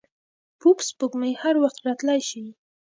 پوپ سپوږمۍ هر وخت راتلای شي.